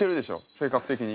性格的に。